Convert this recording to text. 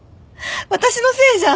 私のせいじゃん。